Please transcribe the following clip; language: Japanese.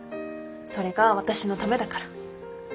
それが私のためだから。